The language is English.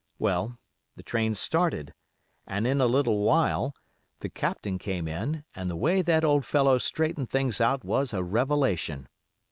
Well, the train started, and in a little while the Captain came in, and the way that old fellow straightened things out was a revelation.